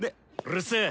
うるせぇ